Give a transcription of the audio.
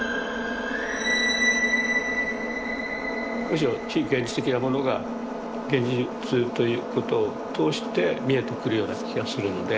むしろ非現実的なものが現実ということを通して視えてくるような気がするので。